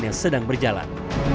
yang sedang berjalan